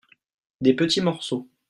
des petits morceaux.